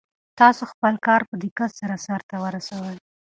تاسو خپل کار په دقت سره سرته ورسوئ.